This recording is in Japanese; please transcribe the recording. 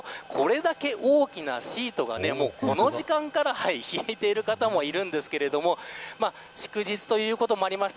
これだけ大きなシートがこの時間から敷いている方もいるんですけれども祝日ということもありまして